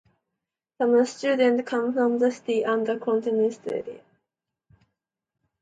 Some students come from the city and cantonment area.